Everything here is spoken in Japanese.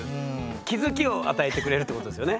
気付きを与えてくれるってことですよね。